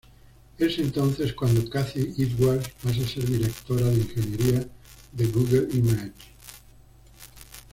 Es entonces cuando Cathy Edwards pasa a ser directora de ingeniería de Google Images.